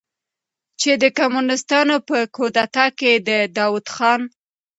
چې د کمونستانو په کودتا کې د داؤد خان